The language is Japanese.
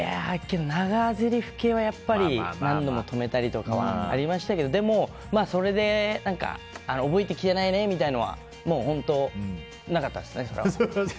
長ぜりふ系はやっぱり何度も止めたりはありましたけどでも、それで覚えてきてないねみたいなのはもう本当になかったですね。